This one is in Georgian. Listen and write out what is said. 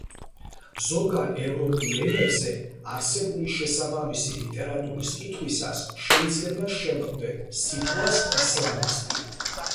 ზოგან, ევროპულ ენებზე არსებული შესაბამისი ლიტერატურის კითხვისას შეიძლება შევხვდეთ სიტყვას ისლამისტი.